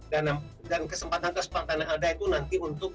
dan kesempatan kesempatan yang ada itu nanti untuk